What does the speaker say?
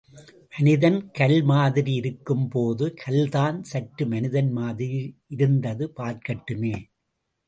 மனிதன் கல் மாதிரி இருக்கும்போது கல்தான் சற்று மனிதன் மாதிரி இருந்து பார்க்கட்டுமே.